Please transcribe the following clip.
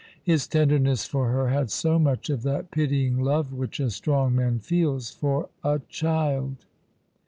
His tenderness for her had so much of that pitying love which a strong man feels for a child.